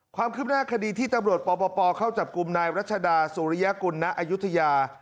ความคืบหน้าคดีที่ตำรวจปปเข้าจับกลุ่มนายรัชดาสุริยกุลณอายุทยา